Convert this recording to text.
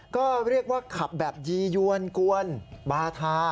ก็เรียกว่าขับแบบยียวนกวนบาทา